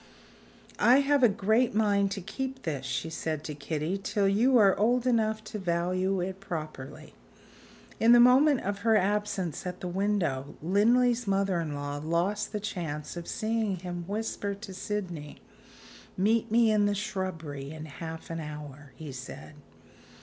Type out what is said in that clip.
"I have a great mind to keep this," she said to Kitty, "till you are old enough to value it properly." In the moment of her absence at the window, Linley's mother in law lost the chance of seeing him whisper to Sydney. "Meet me in the shrubbery in half an hour," he said.